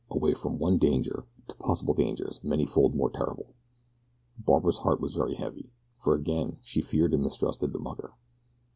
Away from one danger to possible dangers many fold more terrible. Barbara's heart was very heavy, for again she feared and mistrusted the mucker.